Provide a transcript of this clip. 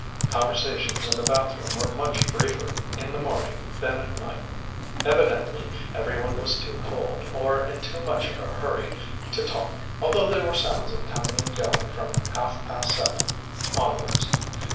Conversations in the bathroom were much briefer in the morning than at night. Evidently every one was too cold, or in too much of a hurry, to talk, although there were sounds of coming and going from half past seven onwards.